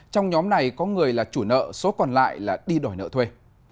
trong nhóm này có người là chủ nợ số còn lại là đi đòi nợ thuê